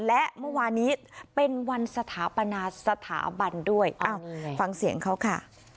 และเมื่อวานี้เป็นวันสถาปนาสถาบันด้วยฟังเสียงเขาค่ะ